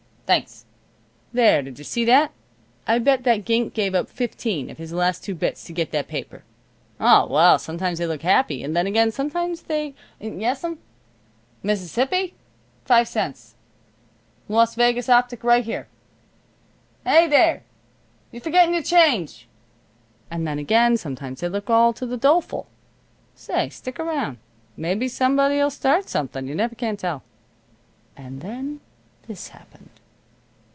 Thanks. There, did you see that? I bet that gink give up fifteen of his last two bits to get that paper. O, well, sometimes they look happy, and then again sometimes they Yes'm. Mississippi? Five cents. Los Vegas Optic right here. Heh there! You're forgettin' your change! an' then again sometimes they look all to the doleful. Say, stick around. Maybe somebody'll start something. You can't never tell." And then this happened.